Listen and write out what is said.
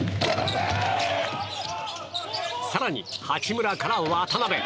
更に、八村から渡邊。